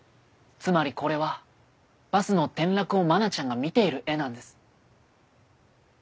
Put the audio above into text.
つまりこれはバスの転落を愛菜ちゃんが見ている絵なんです。